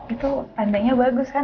itu tandanya bagus kan